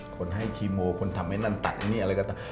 คนให้คีโมคนทำไอ้นั่นตัดไอ้นี่อะไรก็ตัด